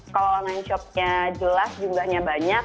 kalau online shopnya jelas jumlahnya banyak